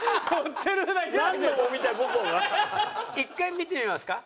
１回見てみますか？